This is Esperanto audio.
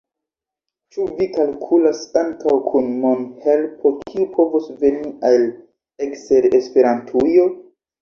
Ĉu vi kalkulas ankaŭ kun mon-helpo kiu povus veni el ekster Esperantujo?